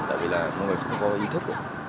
tại vì mọi người không có ý thức